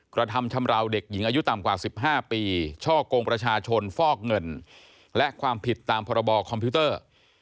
กระทำชำราวเด็กหญิงอายุต่ำกว่า๑๕ปีช่อกงประชาชนฟอกเงินและความผิดตามพรบคอมพิวเตอร์